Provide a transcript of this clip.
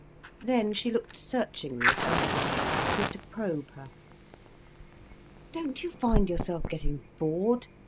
Then she looked searchingly at Ursula, as if to probe her. "Don't you find yourself getting bored?"